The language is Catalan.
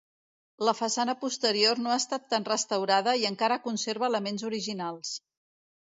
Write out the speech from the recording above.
La façana posterior no ha estat tan restaurada i encara conserva elements originals.